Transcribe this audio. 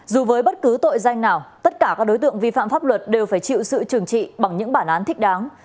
dù với bất cứ tội danh nào tất cả các đối tượng vi phạm pháp luật đều phải chịu sự trừng trị bằng những bản án thích đáng